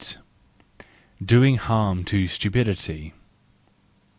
Doing Harm to Stupidity